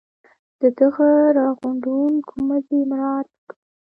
د دغه را غونډوونکي مزي مراعات وکړي.